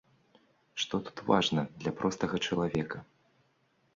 Што тут важна для простага чалавека?